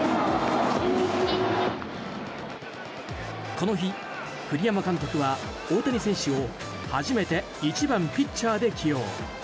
この日、栗山監督は大谷選手を初めて１番ピッチャーで起用。